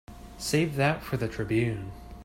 Save that for the Tribune.